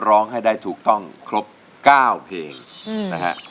ร้องให้ได้ถูกต้องครบ๙เพลงนะฮะ